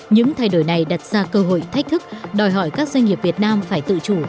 những thay đổi này đặt ra cơ hội thách thức đòi hỏi các doanh nghiệp việt nam phải tự chủ